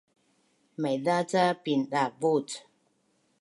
maiza ca pindavuc